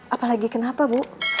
apalagi kenapa bu